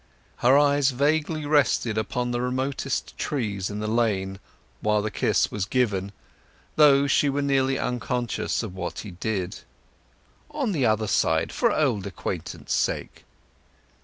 Her eyes vaguely rested upon the remotest trees in the lane while the kiss was given, as though she were nearly unconscious of what he did. "Now the other side, for old acquaintance' sake."